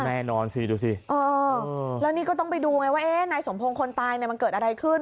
แน่นอนสิดูสิแล้วนี่ก็ต้องไปดูไงว่านายสมพงศ์คนตายเนี่ยมันเกิดอะไรขึ้น